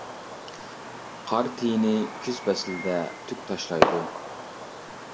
قار تىيىنى كۈز پەسلىدە تۈك تاشلايدۇ.